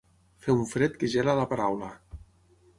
Fer un fred que gela la paraula.